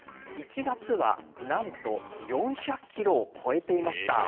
１月はなんと４００キロを超えていました。